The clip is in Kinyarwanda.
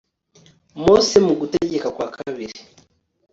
mose mu gutegeka kwa kabiri